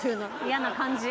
嫌な感じ。